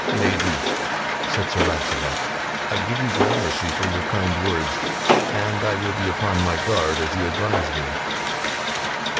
"Maiden," said Sir Launcelot, "I give you grammercy for your kind words, and I will be upon my guard as you advise me."